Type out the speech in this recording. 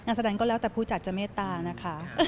แสดงก็แล้วแต่ผู้จัดจะเมตตานะคะ